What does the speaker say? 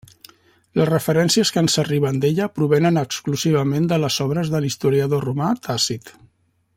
Les referències que ens arriben d'ella provenen exclusivament de les obres de l'historiador romà Tàcit.